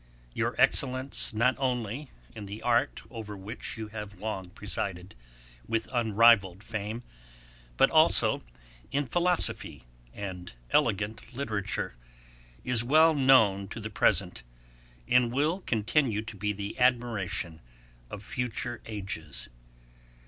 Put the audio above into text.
Your excellence not only in the Art over which you have long presided with unrivalled fame, but also in Philosophy and elegant Literature, is well known to the present, and will continue to be the admiration of future ages.